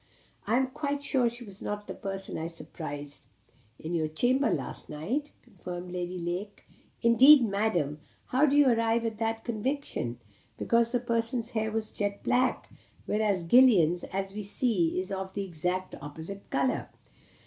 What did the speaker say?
"I am quite sure she was not the person I surprised in your chamber last night," continued Lady Lake. "Indeed, Madam! How do you arrive at that conviction?" "Because that person's hair was jet black, whereas Gillian's, as we see, is of the exactly opposite colour."